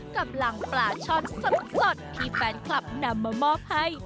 กำลังปลาช่อนสดที่แฟนคลับนำมามอบให้